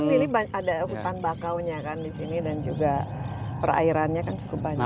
ini kan ada hutan bakau di sini dan juga perairannya kan cukup banyak